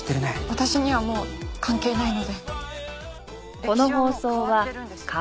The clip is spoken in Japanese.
私にはもう関係ないので。